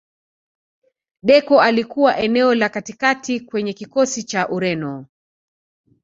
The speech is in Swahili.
deco alikuwa eneo la katikati kwenye kikosi cha ureno